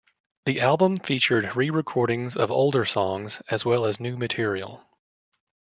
The album featured re-recordings of older songs as well as new material.